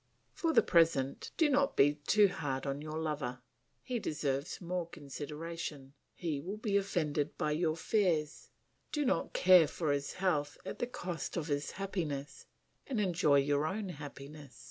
"For the present, do not be too hard on your lover; he deserves more consideration; he will be offended by your fears; do not care for his health at the cost of his happiness, and enjoy your own happiness.